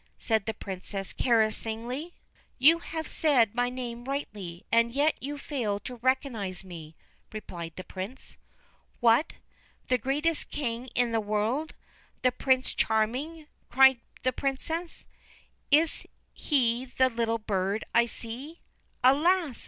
said the Princess caressingly. ' You have said my name rightly, and yet you fail to recognise me,' replied the Prince. 'What! The greatest King in the world I The Prince Charming 1 cried the Princess. ' Is he the little bird I see?' 'Alas!